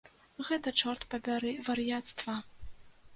Гэта, чорт пабяры, вар'яцтва.